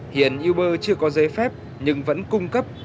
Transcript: hiện uber chưa có giấy phép nhưng vẫn cung cấp